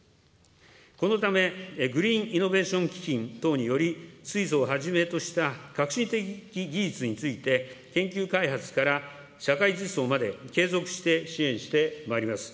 このため、グリーンイノベーション基金等により、水素をはじめとした革新的技術について、研究開発から社会実装まで継続して支援してまいります。